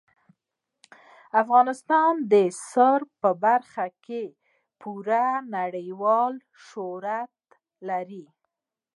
افغانستان د رسوب په برخه کې پوره نړیوال شهرت لري.